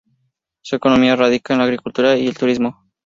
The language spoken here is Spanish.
Su economía radica en la agricultura y el turismo.